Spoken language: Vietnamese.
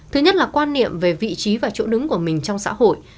thứ nhất là quan niệm về vị trí và chỗ đứng của mình trong xã hội